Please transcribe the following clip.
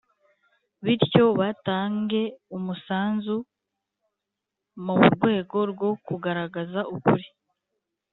bityo batange umusanzu mu rwego rwo kugaragaza ukuri,